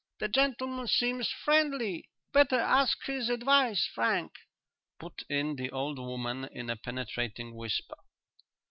"The gentleman seems friendly. Better ask his advice, Frank," put in the old woman in a penetrating whisper.